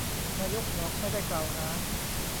นายก บอกไม่ได้กล่าวหา